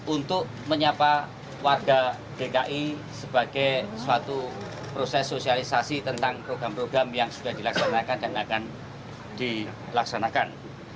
untuk menyapa warga dki sebagai suatu proses sosialisasi tentang program program yang sudah dilaksanakan dan akan dilaksanakan